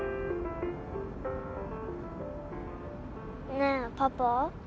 ねぇパパ？